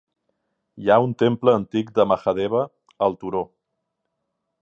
Hi ha un temple antic de Mahadeva al turó.